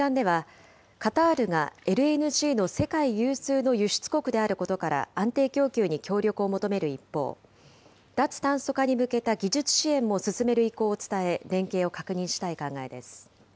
会談では、カタールがＬＮＧの世界有数の輸出国であることから、安定供給に協力を求める一方、脱炭素化に向けた技術支援も進める意向も伝え、連携を確認したい考えです。